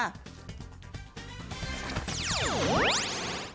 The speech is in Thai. นี่ค่ะ